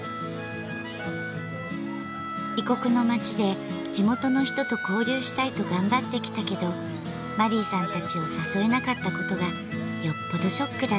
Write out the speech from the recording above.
異国の街で地元の人と交流したいと頑張ってきたけどマリーさんたちを誘えなかったことがよっぽどショックだったみたい。